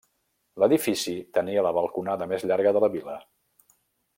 L'edifici tenia la balconada més llarga de la vila.